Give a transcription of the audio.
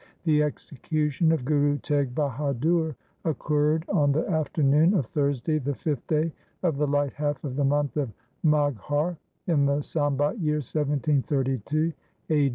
The execution of Guru Teg Bahadur occurred on the afternoon of Thursday the fifth day of the light half of the month of Maghar in the Sambat year 1732 (a.